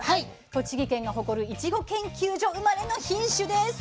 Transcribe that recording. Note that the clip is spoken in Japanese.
栃木県が誇るいちご研究所生まれの品種です。